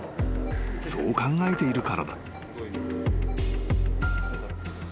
［そう考えているからだ］